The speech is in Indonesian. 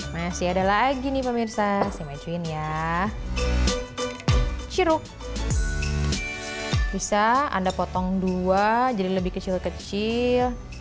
masih ada lagi nih pemirsa saya majuin ya ciruk bisa anda potong dua jadi lebih kecil kecil